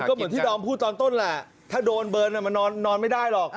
ก็เหมือนที่ดอมพูดตอนต้นแหละถ้าโดนเบิร์นมันนอนไม่ได้หรอก